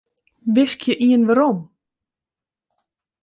Wiskje ien werom.